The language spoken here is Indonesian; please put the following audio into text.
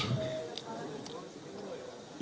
kita harus terus mencapai kebocoran